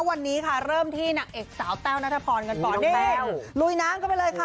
วันนี้ค่ะเริ่มที่นางเอกสาวแต้วนัทพรกันก่อนนี่ลุยน้ำกันไปเลยค่ะ